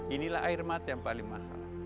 inilah air mata yang paling mahal